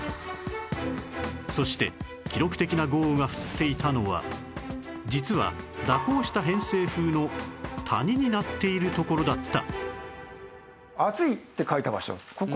そして記録的な豪雨が降っていたのは実は蛇行した偏西風の谷になっている所だった